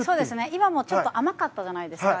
今もちょっと甘かったじゃないですか。